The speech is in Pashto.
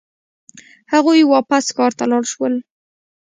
هغوی واپس ښار ته لاړ شول.